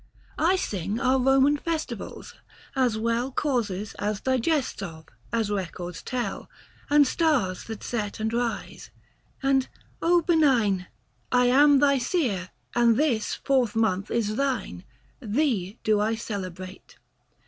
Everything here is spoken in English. I sing our Boman Festivals ; as well Causes as digests of, as records tell ; And stars that set and rise : and oh benign ! I am thy seer, and this fourth month is thine, Thee do I celebrate."